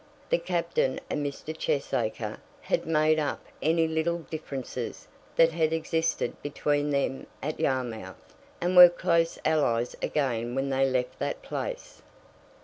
The Captain and Mr. Cheesacre had made up any little differences that had existed between them at Yarmouth, and were close allies again when they left that place.